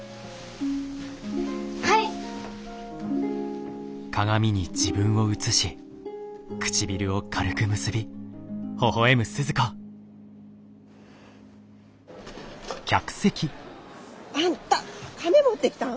はい！あんたカメ持ってきたん！？